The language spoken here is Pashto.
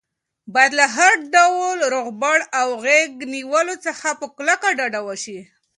باید له هر ډول روغبړ او غېږ نیولو څخه په کلکه ډډه وشي.